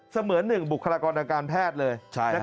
เสมือนหนึ่งบุคลากรรมอาการแพทย์เลย